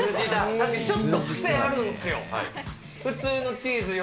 確かにちょっと癖あるんすよ。